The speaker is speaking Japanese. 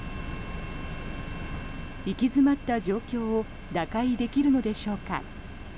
行き詰まった状況を打開できるのでしょうか。